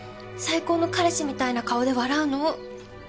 最高の彼氏みたいな顔で笑うの。